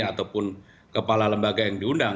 ataupun kepala lembaga yang diundang